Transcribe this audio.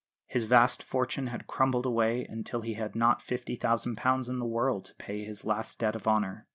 His vast fortune had crumbled away until he had not £50,000 in the world to pay this last debt of honour.